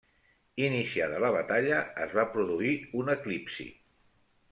Iniciada la batalla es va produir un eclipsi.